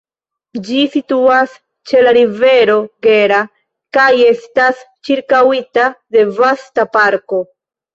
Ĝi situas ĉe la rivero Gera kaj estas ĉirkaŭita de vasta parko.